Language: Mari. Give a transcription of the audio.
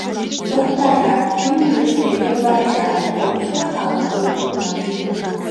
Сортажат, кӱмыжысӧ йӧрваржат толшо калыкын улмаш.